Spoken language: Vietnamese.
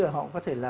họ có thể là